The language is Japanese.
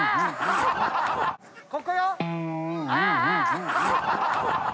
ここよ。